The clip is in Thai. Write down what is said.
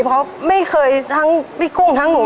เพราะไม่เคยทั้งพี่กุ้งทั้งหนู